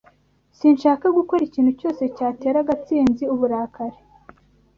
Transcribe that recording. Sinshaka gukora ikintu cyose cyatera Gatsinzi uburakari.